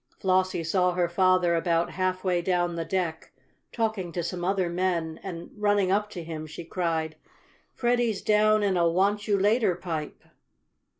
Flossie saw her father about halfway down the deck, talking to some other men, and, running up to him, she cried: "Freddie's down in a want you later pipe!"